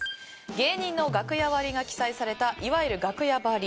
芸人の楽屋割りが記載されたいわゆる楽屋ばり。